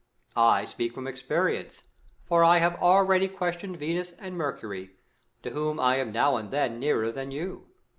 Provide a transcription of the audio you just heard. I speak from experience, for I have already questioned Venus and Mercury, to whom I am now and then nearer than you.